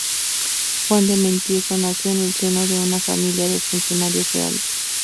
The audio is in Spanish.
Juan de Matienzo nació en el seno de una familia de funcionarios reales.